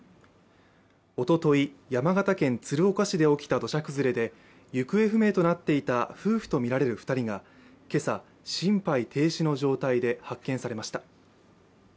おととい、山形県鶴岡市で起きた土砂崩れで、行方不明となっていた夫婦とみられる２人が今朝、心肺停止の状態で発見されました。